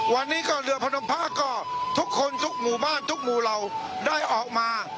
วันนี้ก็เรือพนมพระก็ทุกคนทุกหมู่บ้านทุกหมู่เหล่าได้ออกมา